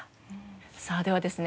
さあではですね